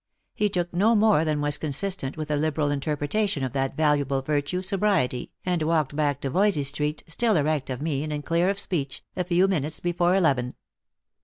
He took no more than was consistent with a liberal interpretation of that valuable virtue sobriety, and walked back to Voysey street, still erect* of mien and clear of speech, a few minutes before eleven.